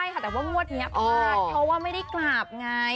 ใช่ค่ะแต่ว่างวดนี้พลาดเพราะว่าไม่ได้กราบไง